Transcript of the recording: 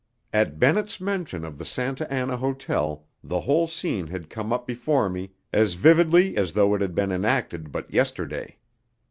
At Bennett's mention of the Santa Anna Hotel the whole scene had come up before me as vividly as though it had been enacted but yesterday.